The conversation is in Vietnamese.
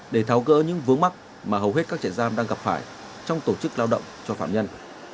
để tháo gỡ những vướng mắt mà hầu hết các trại giam đang gặp phải trong tổ chức lao động cho phạm nhân